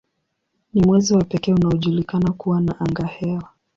Ni mwezi wa pekee unaojulikana kuwa na angahewa.